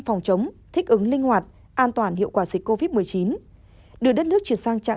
phòng chống thích ứng linh hoạt an toàn hiệu quả dịch covid một mươi chín đưa đất nước chuyển sang trạng